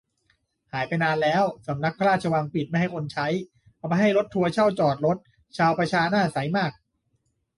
หายไปนานแล้ว สำนักพระราชวังปิดไม่ให้คนใช้ เอาไปให้รถทัวร์เช่าจอดรถ ชาวประชาหน้าใสมาก